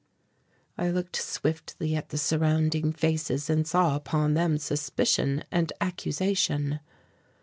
I looked swiftly at the surrounding faces, and saw upon them suspicion and accusation.